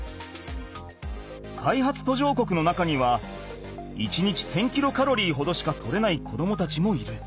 開発途上国の中には１日１，０００キロカロリーほどしか取れない子どもたちもいる。